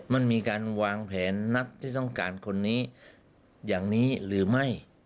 มันมีการวางแผนนัดที่ต้องการคนนี้อย่างนี้หรือไม่